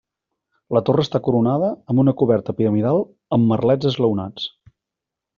La torre està coronada amb una coberta piramidal amb merlets esglaonats.